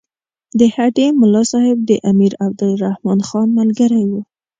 د هډې ملاصاحب د امیر عبدالرحمن خان ملګری وو.